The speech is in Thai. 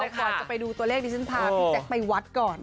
เดี๋ยวขอจะไปดูตัวเลขดิฉันพาพี่แจ๊กไปวัดก่อน